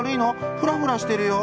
フラフラしているよ。」。